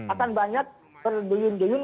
akan banyak berduyun duyun